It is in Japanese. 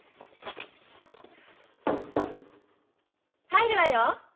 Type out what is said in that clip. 入るわよ。